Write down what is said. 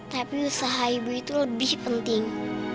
tapi usaha ibu itu lebih penting